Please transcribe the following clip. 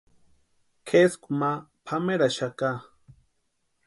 Kʼeskwa ma pameraxaka.